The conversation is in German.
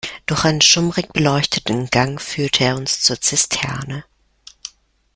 Durch einen schummrig beleuchteten Gang führte er uns zur Zisterne.